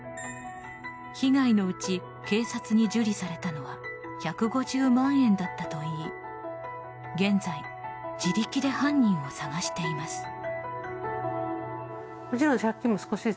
被害のうち警察に受理されたのは１５０万円だったといい現在自力で犯人を捜しています。